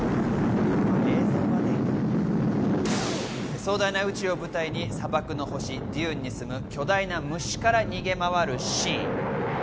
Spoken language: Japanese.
壮大な宇宙を舞台に砂漠の星、デューンに住む巨大な虫から逃げ回るシーン。